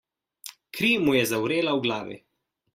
Kri mu je zavrela v glavi.